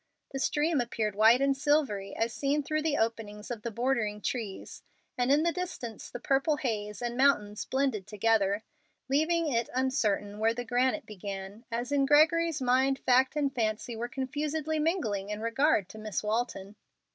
The stream appeared white and silvery as seen through openings of the bordering trees, and in the distance the purple haze and mountains blended together, leaving it uncertain where the granite began, as in Gregory's mind fact and fancy were confusedly mingling in regard to Miss Walton.